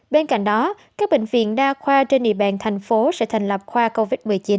bên cạnh đó các bệnh viện đa khoa trên địa bàn thành phố sẽ thành lập khoa covid một mươi chín